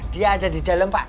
dia ada di dalam pak